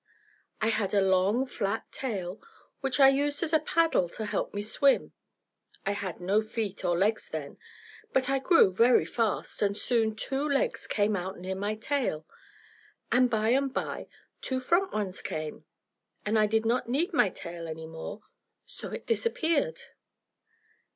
I had a long flat tail which I used as a paddle to help me swim. I had no feet nor legs then, but I grew very fast, and soon two legs came out near my tail, and by and by two front ones came, and I did not need my tail any more, so it disappeared.